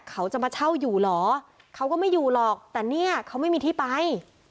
เขาจะมาเช่าอยู่เหรอเขาก็ไม่อยู่หรอกแต่เนี่ยเขาไม่มีที่ไป